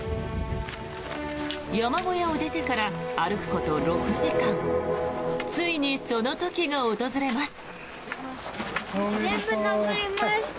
山小屋を出てから歩くこと６時間ついに、その時が訪れます。